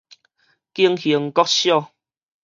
景興國小